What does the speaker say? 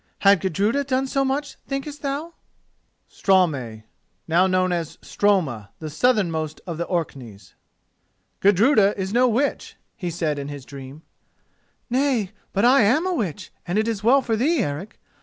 Had Gudruda done so much, thinkest thou?" [*] Stroma, the southernmost of the Orkneys. "Gudruda is no witch," he said in his dream. "Nay, but I am a witch, and it is well for thee, Eric.